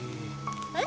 えっ？